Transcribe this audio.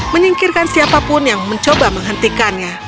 menyingkirkan siapapun yang mencoba menghentikannya